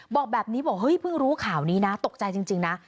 บอกแบบนี้บอกเฮ้ยเพิ่งรู้ข่าวนี้นะตกใจจริงนะ